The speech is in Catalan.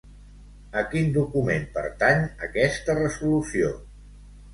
A quin document pertany aquesta resolució?